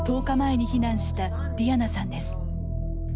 １０日前に避難したディアナさんです。